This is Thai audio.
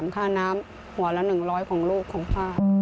ค่าน้ำควรละ๑๐๐บาทของลูกของพ่อ